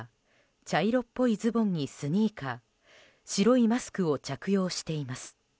茶色っぽいズボンにスニーカー白いマスクを着用しています。